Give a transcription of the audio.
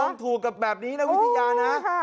รวมถูกกับแบบนี้นะคะวิทยาน่ะ